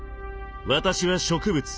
私は植物。